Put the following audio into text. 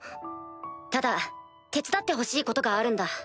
ただ手伝ってほしいことがあるんだ。